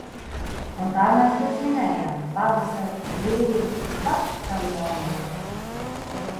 Un tā mēs tur svinējām – pavasari, brīvību un paši savu jaunību.